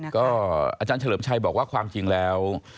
ก็อาจารย์เฉลิมชัยบอกว่าความจริงแล้ว